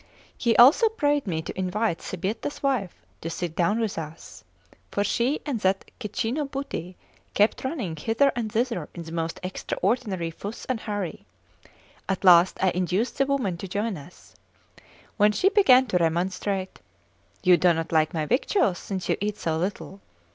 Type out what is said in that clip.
He also prayed me to invite Sbietta's wife to sit down with us; for she and that Cecchino Buti kept running hither and thither in the most extraordinary fuss and hurry. At last I induced the woman to join us; when she began to remonstrate: "You do not like my victuals, since you eat so little."